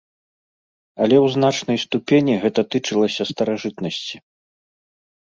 Але ў значнай ступені гэта тычылася старажытнасці.